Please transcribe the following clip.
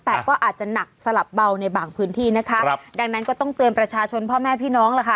แต่ก็อาจจะหนักสลับเบาในบางพื้นที่นะคะครับดังนั้นก็ต้องเตือนประชาชนพ่อแม่พี่น้องล่ะค่ะ